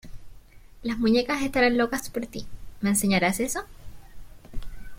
Las muñecas estarán locas por ti. ¿ Me enseñarás eso?